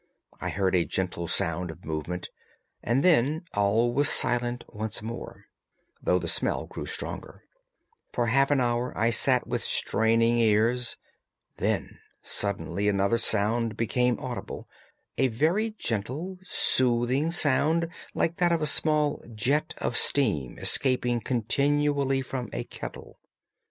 I heard a gentle sound of movement, and then all was silent once more, though the smell grew stronger. For half an hour I sat with straining ears. Then suddenly another sound became audible—a very gentle, soothing sound, like that of a small jet of steam escaping continually from a kettle.